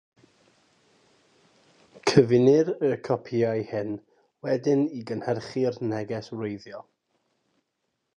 Cyfunir y copïau hyn wedyn i gynhyrchu'r neges wreiddiol.